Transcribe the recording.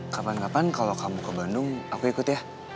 kapan kapan kalau kamu ke bandung aku ikut ya